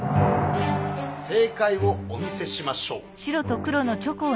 正かいをお見せしましょう。